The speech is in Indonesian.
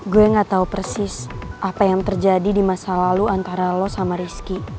gue gak tau persis apa yang terjadi di masa lalu antara lo sama rizky